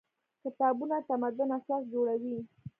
کتابونه د تمدن اساس جوړوي.